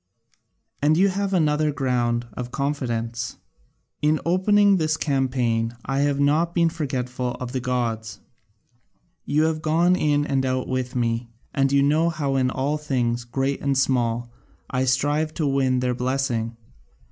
And you have another ground of confidence in opening this campaign I have not been forgetful of the gods: you have gone in and out with me, and you know how in all things, great and small, I strive to win their blessing.